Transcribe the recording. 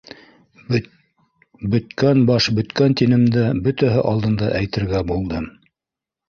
Бөткән баш бөткән тинем дә бөтәһе алдында әйтергә булдым: